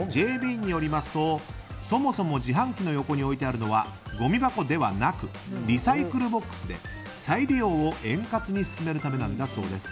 ＪＢによりますとそもそも、自販機の横に置いてあるのはごみ箱ではなくリサイクルボックスで再利用を円滑に進めるためなんだそうです。